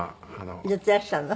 やっていらっしゃるの？